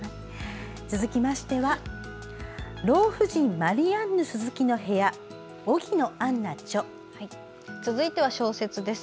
続きましては「老婦人マリアンヌ鈴木の部屋」荻野アンナ著。続いては小説です。